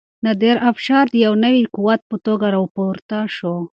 نادر افشار د یو نوي قوت په توګه راپورته شو.